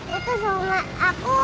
itu semua aku